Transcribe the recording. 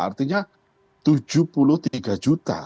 artinya tujuh puluh tiga juta